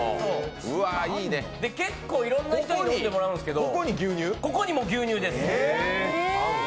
結構いろんな人に飲んでもらうんですけど、ここに牛乳です。